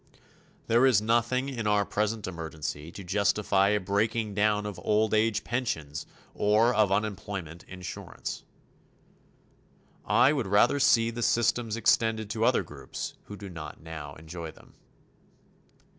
There is nothing in our present emergency to justify a breaking down of old age pensions or of unemployment insurance. I would rather see the systems extended to other groups who do not now enjoy them.